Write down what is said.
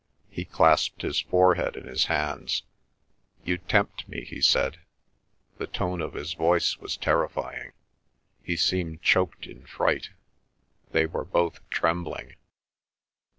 He clasped his forehead in his hands. "You tempt me," he said. The tone of his voice was terrifying. He seemed choked in fright. They were both trembling.